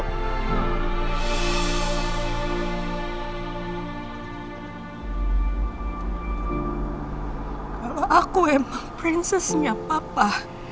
kalau aku emang princesnya papa